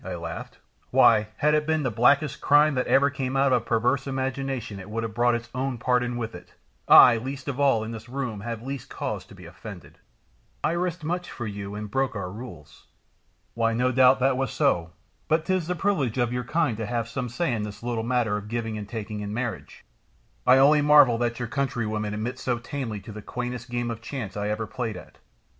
I laughed. "Why, had it been the blackest crime that ever came out of a perverse imagination it would have brought its own pardon with it; I, least of all in this room, have least cause to be offended." "I risked much for you and broke our rules." "Why, no doubt that was so, but 'tis the privilege of your kind to have some say in this little matter of giving and taking in marriage. I only marvel that your countrywomen submit so tamely to the quaintest game of chance I ever played at.